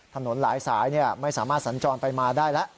ถนนหลายสายไม่สามารถสัญจรไปมาได้แล้ว